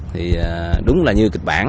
thì đúng là như kịch bản